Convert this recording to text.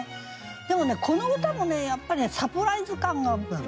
でもねこの歌もねやっぱサプライズ感が。